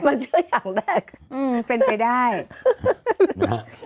มะนาว